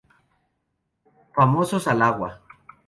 Famosos al agua".